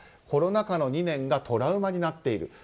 コロナ禍の２年がトラウマになっている。